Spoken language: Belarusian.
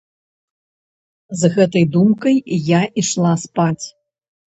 З гэтай думкай я ішла спаць.